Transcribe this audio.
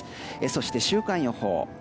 そして週間予報。